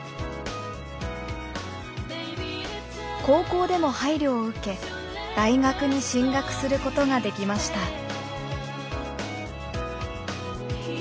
高校でも配慮を受け大学に進学することができました。